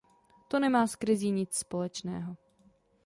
To nemá s krizí nic společného.